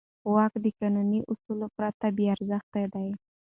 واک د قانوني اصولو پرته بېارزښته دی.